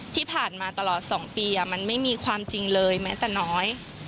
ที่ผ่านมาตลอด๒ปีมันไม่มีความจริงเลยแม้แต่น้อย